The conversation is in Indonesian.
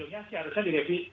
ya ujungnya harusnya direvisi